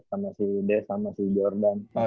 sama si des sama si jordan